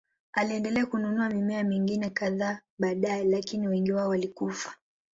Aliendelea kununua mimea mingine kadhaa baadaye, lakini wengi wao walikufa.